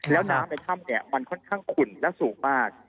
แล้วน้ำในถ้ำเนี่ยมันค่อนข้างขุ่นและสูงมาก